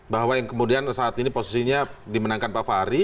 bahwa yang kemudian saat ini posisinya dimenangkan pak fahri